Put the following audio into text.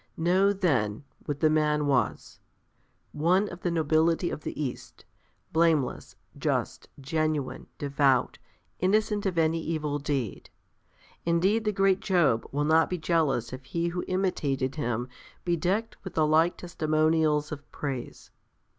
Know, then, what the man was; one of the nobility of the East, blameless, just, genuine, devout, innocent of any evil deed. Indeed the great Job will not be jealous if he who imitated him be decked with the like testimonials of praise.